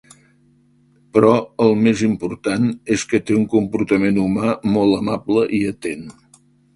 Però, el més important és que té un comportament humà molt amable i atent.